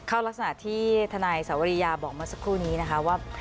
เขาลักษณะที่ทนสวริยาบอกมาสักครู่นี้นะคะว่า